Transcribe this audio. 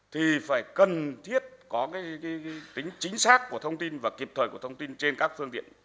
thì phải cần thiết có tính chính xác của thông tin và kịp thời của thông tin trên các phương tiện